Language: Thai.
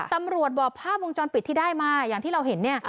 ตำรวจบอกภาพวงจรปิดที่ได้มาอย่างที่เราเห็นเนี่ย